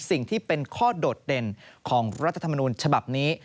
สิ่งที่เป็นข้อโดดเด่นของรัฐธรรมนูญฉบับนี้